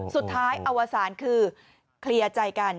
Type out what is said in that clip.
สุดท้ายอวสานคือเคลียร์ใจกัน